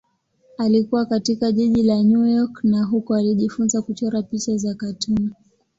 Alikua katika jiji la New York na huko alijifunza kuchora picha za katuni.